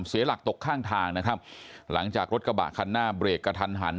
เสียหลักตกข้างทางนะครับหลังจากรถกระบะคันหน้าเบรกกระทันหัน